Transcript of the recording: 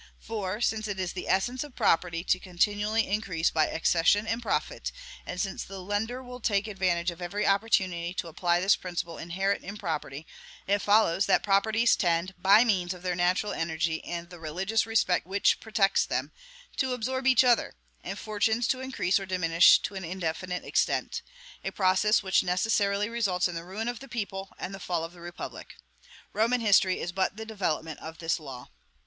For, since it is the essence of property to continually increase by accession and profit, and since the lender will take advantage of every opportunity to apply this principle inherent in property, it follows that properties tend, by means of their natural energy and the religious respect which protects them, to absorb each other, and fortunes to increase or diminish to an indefinite extent, a process which necessarily results in the ruin of the people, and the fall of the republic. Roman history is but the development of this law.